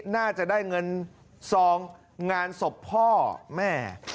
น่าจะได้เงินซองงานศพพ่อแม่